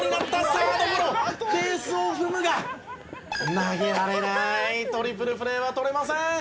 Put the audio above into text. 「サードゴロベースを踏むが投げられない」「トリプルプレーは取れません」